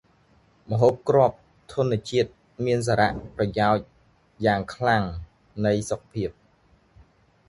ម្ហូបគ្រាប់ធនជាតិ មានសារៈប្រយោជន៏យ៉ាងខ្លាំងនៃសុខភាព ។